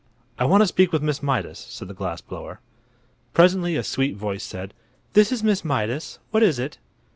"I want to speak with Miss Mydas," said the glass blower. Presently a sweet voice said: "This is Miss Mydas. What is it?"